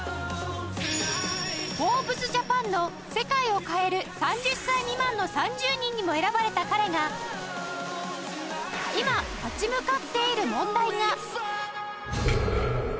フォーブスジャパンの「世界を変える３０歳未満の３０人」にも選ばれた彼が今立ち向かっている問題が